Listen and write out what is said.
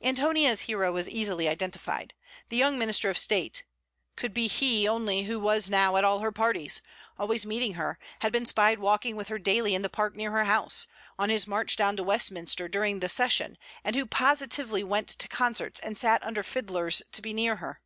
ANTONIA's hero was easily identified. THE YOUNG MINISTER of STATE could be he only who was now at all her parties, always meeting her; had been spied walking with her daily in the park near her house, on his march down to Westminster during the session; and who positively went to concerts and sat under fiddlers to be near her.